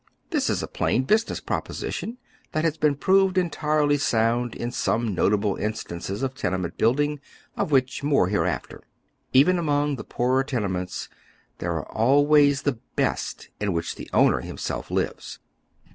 This is a plain business proposition, that has been proved entirely sound in some notable in oyGoogle 278 now THE other half lives. stances of tenement building, of which more hereafter. Even among the poorer tenements, those are always the best in which the owner himseJf lives.